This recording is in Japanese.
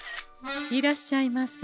いらっしゃいませ。